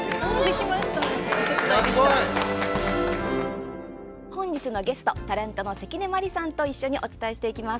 すごい！本日のゲストタレントの関根麻里さんと一緒にお伝えしていきます。